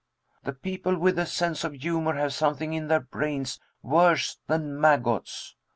The people with a sense of humor have something in their brains worse than maggots.